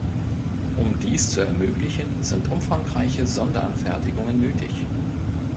Um dies zu ermöglichen, sind umfangreiche Sonderanfertigungen nötig.